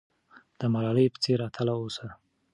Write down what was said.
د ملالۍ په څېر اتل اوسه.